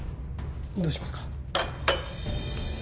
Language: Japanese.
どうしますか？